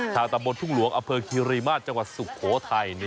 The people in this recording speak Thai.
ตำบลทุ่งหลวงอำเภอคิริมาตรจังหวัดสุโขทัย